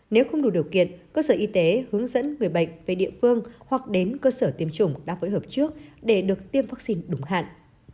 nếu không đủ điều kiện cơ sở y tế hướng dẫn người bệnh về địa phương hoặc đến cơ sở tiêm chủng đã phối hợp trước để được tiêm vaccine đúng hạn